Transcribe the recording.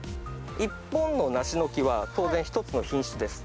１本の梨の木は、当然、１つの品種です。